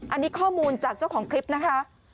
อันนี้ข้อมูลจากเจ้าของคลิปนะคะ